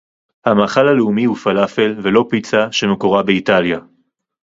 המאכל הלאומי הוא פלאפל ולא פיצה שמקורה באיטליה